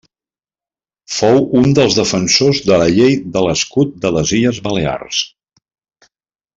Fou un dels defensors de la llei de l'escut de les Illes Balears.